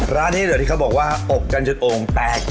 ร้านนี้เหรอที่เขาบอกว่าอบกันจนโอ่งแตก